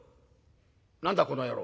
「何だこの野郎。